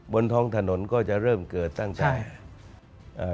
บนท้องถนนก็จะเริ่มเกิดตั้งแต่เอ่อ